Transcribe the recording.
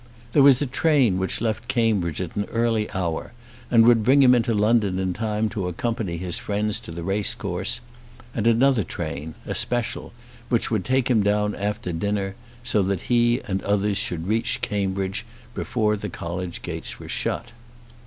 There was a train which left Cambridge at an early hour, and would bring him into London in time to accompany his friends to the race course; and another train, a special, which would take him down after dinner, so that he and others should reach Cambridge before the college gates were shut.